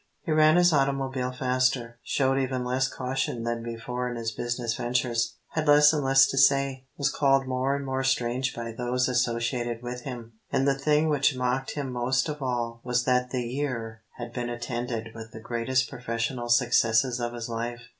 He ran his automobile faster, showed even less caution than before in his business ventures, had less and less to say, was called more and more strange by those associated with him. And the thing which mocked him most of all was that the year had been attended with the greatest professional successes of his life.